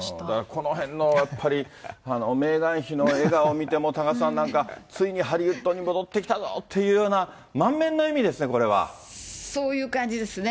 このへんのやっぱり、メーガン妃の笑顔を見ても、多賀さん、なんかついにハリウッドに戻ってきたぞというような、満面の笑みそういう感じですね。